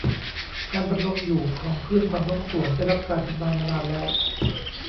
การดำรงอยู่ของคลื่นความโน้มถ่วงได้รับการทำนายมานานแล้ว